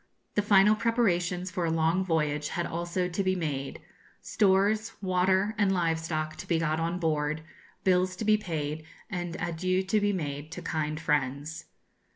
The final preparations for a long voyage had also to be made; stores, water, and live stock to be got on board, bills to be paid, and adieux to be made to kind friends.